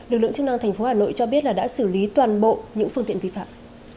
lực lượng chức năng tp hcm cho biết đã xử lý toàn bộ những phương tiện vi phạm